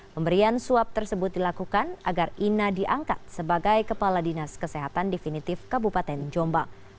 pemberian suap tersebut dilakukan agar ina diangkat sebagai kepala dinas kesehatan definitif kabupaten jombang